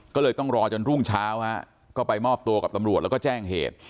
ก็เลยต้องรอจนรุ่งเช้าฮะก็ไปมอบตัวกับตำรวจแล้วก็แจ้งเหตุ